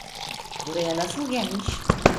Buraya nasıl gelmiş?